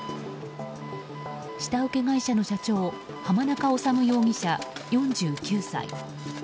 下請け会社の社長浜中治容疑者、４９歳。